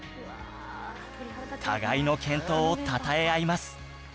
互いの健闘をたたえ合います